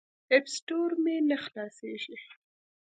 اپ سټور مې نه خلاصیږي.